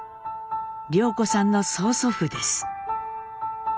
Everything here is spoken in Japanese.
涼子さんの曽祖父です。